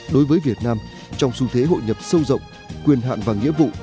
đối với việt nam trong xu thế hội nhập sâu rộng quyền hạn và nghĩa vụ